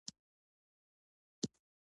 مرګ د عالم مرګ د عالم دیني شالید لري